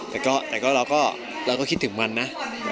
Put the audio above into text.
แต่เราก็คิดถึงมันนะ